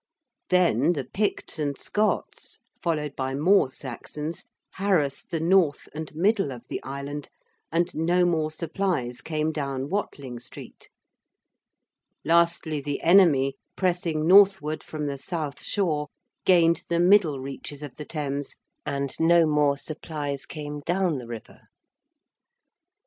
Then the Picts and Scots, followed by more Saxons, harassed the north and middle of the island, and no more supplies came down Watling Street. Lastly, the enemy, pressing northward from the south shore, gained the middle reaches of the Thames, and no more supplies came down the river.